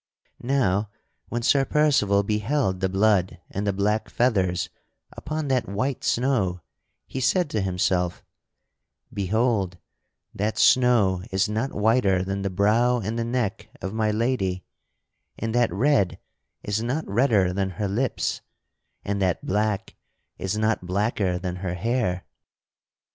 [Sidenote: Sir Percival stands in meditation] Now when Sir Percival beheld the blood and the black feathers upon that white snow, he said to himself: "Behold! that snow is not whiter than the brow and the neck of my lady; and that red is not redder than her lips; and that black is not blacker than her hair."